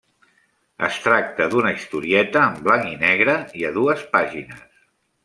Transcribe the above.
Es tracta d'una historieta en blanc i negre, i a dues pàgines.